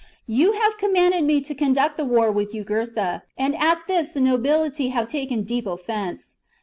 " You have commanded me to conduct the war with Jugurtha, and at this the nobility have taken deep offence.